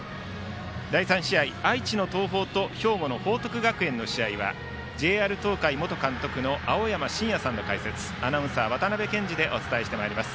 第３試合、愛知の東邦と兵庫の報徳学園の試合はＪＲ東海元監督の青山眞也さんの解説アナウンサーは渡辺憲司でお伝えしてまいります。